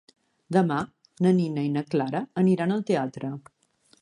Demà na Nina i na Clara aniran al teatre.